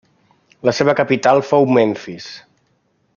La seva capital fou Memfis.